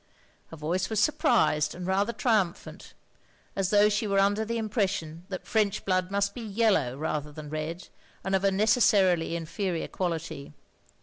Her voice was surprised and rather triumphant, as though she were under the impression that French blood must be yellow rather than red, and of a necessarily inferior quality.